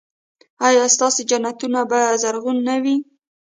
ایا ستاسو جنتونه به زرغون نه وي؟